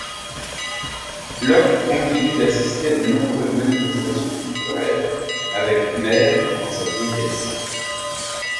Locke continue d'assister à de nombreuses manifestations culturelles avec Maire dans sa vieillesse.